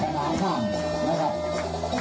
เฮ้ย